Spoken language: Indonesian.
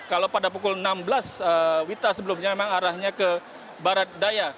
kalau pada pukul enam belas wita sebelumnya memang arahnya ke barat daya